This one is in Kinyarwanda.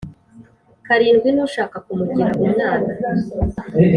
Karindwi n ushaka kumugira umwana